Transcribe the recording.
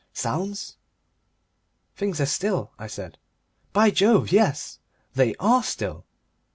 "Sounds?" "Things are still," I said. "By Jove! yes! They ARE still.